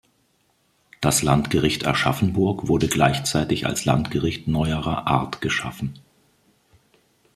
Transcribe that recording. Das Landgericht Aschaffenburg wurde gleichzeitig als Landgericht neuerer Art geschaffen.